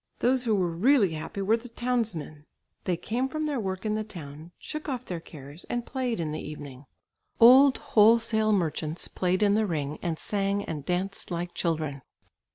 Those who were really happy were the townsmen. They came from their work in the town, shook off their cares and played in the evening. Old wholesale merchants played in the ring and sang and danced like children.